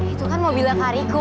itu kan mobilnya kak riku